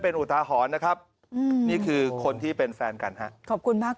เป็นอุทาหรณ์นะครับนี่คือคนที่เป็นแฟนกันฮะขอบคุณมาก